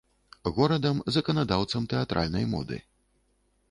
Горадам заканадаўцам тэатральнай моды.